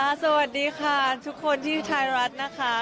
สวัสดีค่ะทุกคนที่ไทยรัฐนะคะ